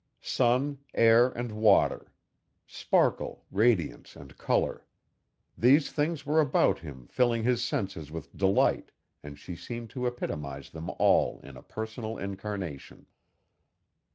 Sun, air and water; sparkle, radiance and color these things were about him filling his senses with delight and she seemed to epitomize them all in a personal incarnation.